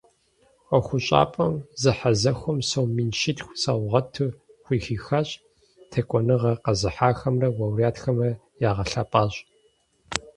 Ӏуэхущӏапӏэм зэхьэзэхуэм сом мин щитху саугъэту хухихащ, текӏуэныгъэ къэзыхьахэмрэ лауреатхэмрэ ягъэлъэпӏащ.